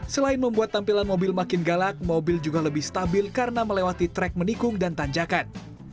selain membuat tampilan mobil makin galak mobil juga lebih stabil karena melewati trek menikung dan tanjakan